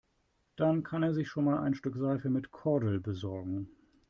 Dann kann er sich schon einmal ein Stück Seife mit Kordel besorgen.